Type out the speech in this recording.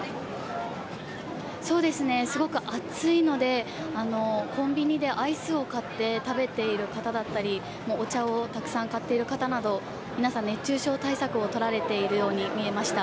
そうですね、すごく暑いので、コンビニでアイスを買って食べている方だったり、お茶をたくさん買っている方など、皆さん熱中症対策を取られているように見えました。